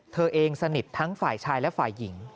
เธอเองสนิททั้งฝ่ายชายและฝ่ายหญิง